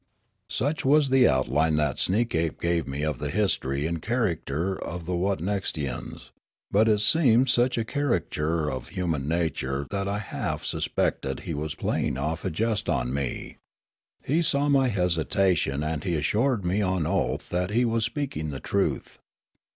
Such was the outline that Sneekape gave me of the history and character of the Wotnekstians ; but it seemed such a caricature of human nature that I half 2l6 Riallaro suspected he was playing off a jest on me. He saw my hesitation and he assured me on oath that he was speaking the truth.